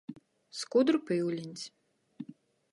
Skudru pyuliņs.